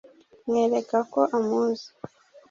mwereka ko amuzi